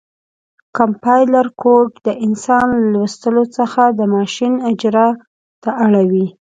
کمپایلر کوډ د انسان له لوستلو څخه د ماشین اجرا ته اړوي.